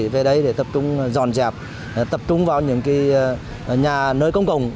về đây để tập trung dọn dẹp tập trung vào những nhà nơi công cộng